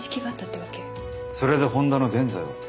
それで本田の現在は？